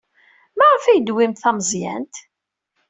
Maɣef ay d-tewwimt tameẓyant?